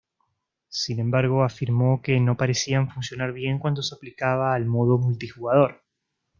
Sin embargo, afirmó que no parecían funcionar bien cuando se aplicaba al modo multijugador.